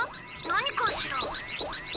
何かしら？